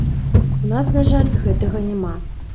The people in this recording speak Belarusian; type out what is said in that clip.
У нас, на жаль, гэтага няма.